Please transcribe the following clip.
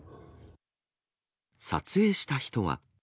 撮影した人は。